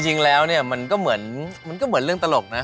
จริงแล้วเนี่ยมันก็เหมือนเรื่องตลกนะ